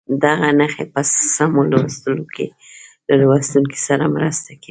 دغه نښې په سمو لوستلو کې له لوستونکي سره مرسته کوي.